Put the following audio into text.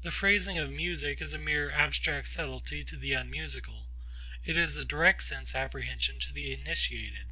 The phrasing of music is a mere abstract subtlety to the unmusical; it is a direct sense apprehension to the initiated.